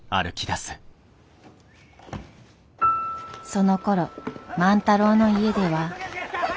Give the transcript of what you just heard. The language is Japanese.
そのころ万太郎の家では。